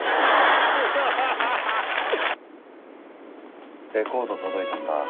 まずはレコード届いたんだ